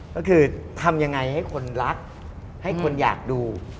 ก็คือทำยังไงให้คนรักให้คนอยากดู